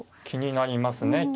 気になりますね